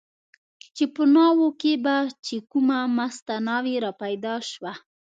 چې په ناوو کې به چې کومه مسته ناوې را پیدا شوه.